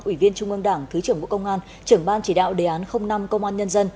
ủy viên trung ương đảng thứ trưởng bộ công an trưởng ban chỉ đạo đề án năm công an nhân dân